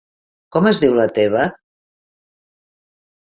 Com es diu la teva.?